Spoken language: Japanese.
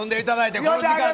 この時間に。